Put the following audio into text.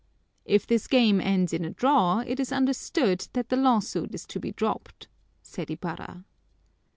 "If this game ends in a draw, it's understood that the lawsuit is to be dropped," said Ibarra.